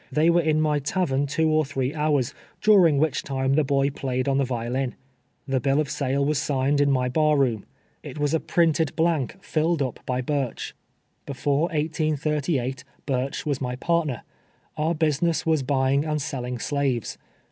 They were in my tavern two or threa houi s, during which time the boy played on the vio lin. The bill of sale was signed in my bar room. It was a printed hlank^ filled np l>y Burch. Before 1838 Bnrch Avas my partner. Our business was buying and selling slaves.